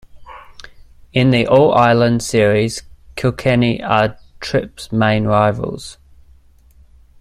In the All-Ireland series, Kilkenny are Tipp's main rivals.